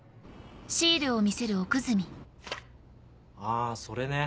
あぁそれね。